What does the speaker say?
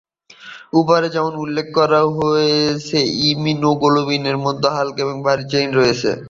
ওপরে যেমন উল্লেখ করা হয়েছে, ইমিউনোগ্লোবিনের মধ্যে হালকা ও ভারী চেইন রয়েছে।